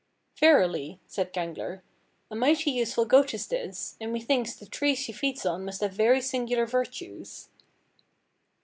"Verily," said Gangler, "a mighty useful goat is this, and methinks the tree she feeds on must have very singular virtues."